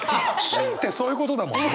旬ってそういうことだもんね。